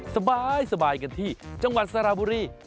สบายกันที่จังหวัดสระบุรี